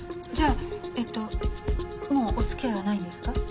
じゃあえっともうお付き合いはないんですか？